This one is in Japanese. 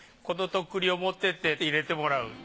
この徳利を持ってって入れてもらう。